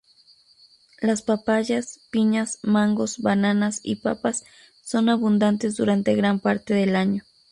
Las papayas, piñas, mangos, bananas y papas son abundantes durante gran parte del año.